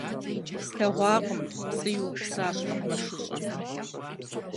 - Слъэгъуакъым, - пцӏы иупсащ мэкъумэшыщӏэм.